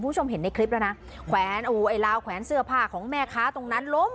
ผู้ชมเห็นในคลิปด้วยนะแขวนอู้ไอ่ลาวแขวนเสื้อผ้าของแม่ค้าตรงนั้นลบ